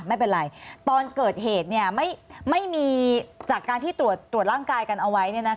ไม่เป็นไรตอนเกิดเหตุไม่มีจากการที่ตรวจร่างกายกันเอาไว้